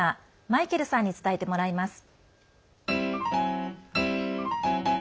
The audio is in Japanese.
マイケルさんに伝えてもらいます。